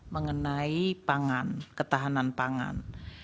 mengenai pangan ketahanan pangan